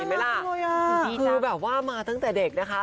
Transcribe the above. คือมาตั้งแต่เด็กนะคะ